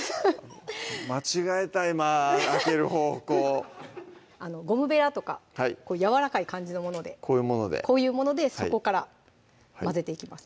間違えた今開ける方向ゴムべらとかやわらかい感じのものでこういうものでこういうもので底から混ぜていきます